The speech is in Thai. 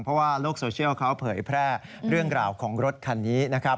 เพราะว่าโลกโซเชียลเขาเผยแพร่เรื่องราวของรถคันนี้นะครับ